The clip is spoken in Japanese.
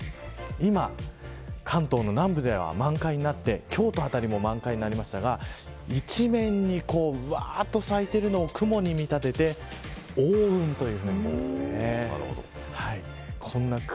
今、関東の南部では満開になって京都辺りも満開になりましたが一面にぶわっと咲いているのを雲に見立てて桜雲と呼びます。